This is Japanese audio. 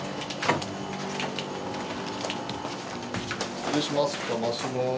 失礼します。